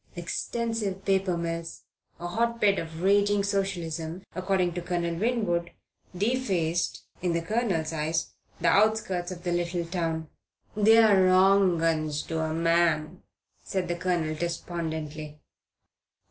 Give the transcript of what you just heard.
Extensive paper mills, a hotbed of raging Socialism, according to Colonel Winwood, defaced (in the Colonel's eyes) the outskirts of the little town. "They're wrong 'uns to a man," said the Colonel, despondently.